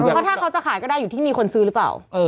เพราะถ้าเขาจะขายก็ได้อยู่ที่มีคนซื้อหรือเปล่า